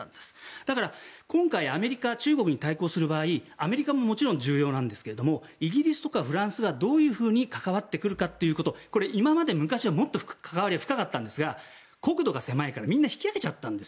だから、今回アメリカが中国に対抗する場合アメリカももちろん重要ですがイギリスとかフランスがどういうふうに関わってくるかということこれ、今まで昔はもっと関わりが深かったんですが国土が狭いからみんな引き揚げちゃったんです。